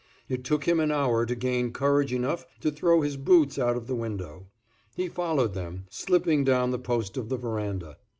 It took him an hour to gain courage enough to throw his boots out of the window; he followed them, slipping down the post of the veranda.